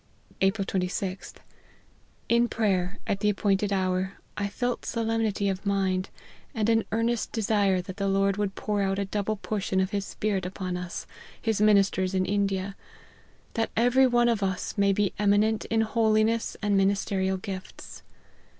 " J2pril2Qth. In prayer, at the appointed hour, I felt solemnity of mind, and an earnest desire that the Lord would pour out a double portion of his Spirit upon us, his ministers in India ; that every one of us may be eminent in holiness and ministerial gifts.